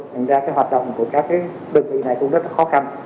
thế nên hoạt động của các đơn vị này cũng rất khó khăn